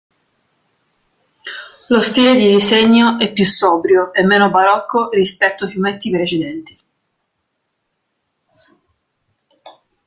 Lo stile di disegno è più sobrio e meno barocco rispetto ai fumetti precedenti.